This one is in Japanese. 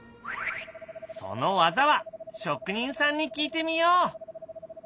その技は職人さんに聞いてみよう！